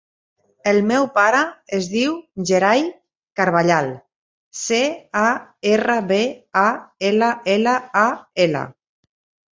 El meu pare es diu Yeray Carballal: ce, a, erra, be, a, ela, ela, a, ela.